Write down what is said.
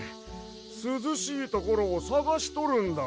すずしいところをさがしとるんだわ。